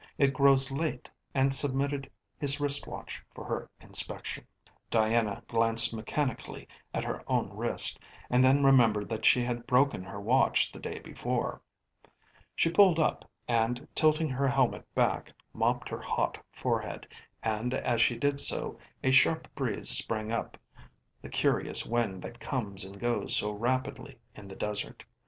It grows late," and submitted his wrist watch for her inspection. Diana glanced mechanically at her own wrist and then remembered that she had broken her watch the day before. She pulled up, and tilting her helmet back mopped her hot forehead, and, as she did so, a sharp breeze sprang up, the curious wind that comes and goes so rapidly in the desert.